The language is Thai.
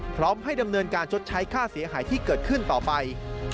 พร้อมให้ดำเนินการชดใช้ค่าเสียหายที่เกิดขึ้นต่อไป